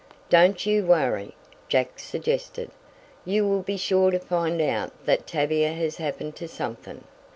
"Don't you worry," Jack suggested. "You will be sure to find out that Tavia has happened to something.